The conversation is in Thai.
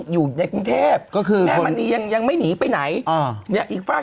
อยู่ในกรุงเทพก็คือแม่มณียังยังไม่หนีไปไหนอ่าเนี่ยอีกฝาก